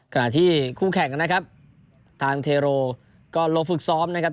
ขณะที่คู่แข่งนะครับทางเทโรก็ลงฝึกซ้อมนะครับ